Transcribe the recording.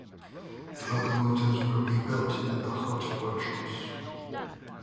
The locomotives were rebuilt at the Hutt Workshops.